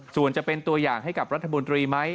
ส่วนจะเป็นตัวอย่างให้กับรัฐมนตรีไหม